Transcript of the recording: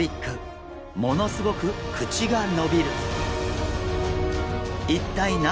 ものすごく口が伸びる。